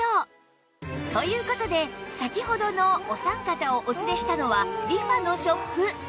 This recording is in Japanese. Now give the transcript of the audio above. という事で先ほどのお三方をお連れしたのは ＲｅＦａ のショップ